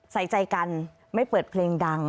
ใส่ใจกันไม่เปิดเพลงดัง